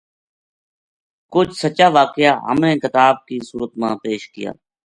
کُجھ سچا واقعہ ہم نے کتا ب کی صورت ما پیش کیا